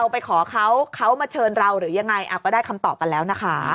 เป็นเราหรือยังไงก็ได้คำตอบกันแล้วนะคะ